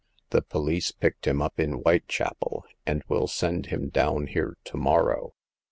The police picked him up in Whitechapel, and will send him down here to morrow.